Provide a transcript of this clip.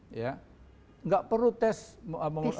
tidak perlu tes cepat